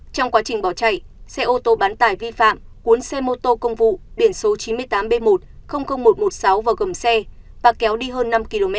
trong quá trình bỏ chạy xe ô tô bán tải vi phạm cuốn xe mô tô công vụ biển số chín mươi tám b một trăm một mươi sáu vào gầm xe và kéo đi hơn năm km